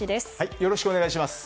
よろしくお願いします。